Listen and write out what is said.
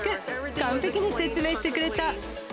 完璧に説明してくれた。